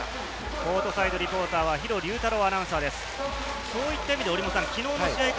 コートサイドリポーターは弘竜太郎アナウンサーです。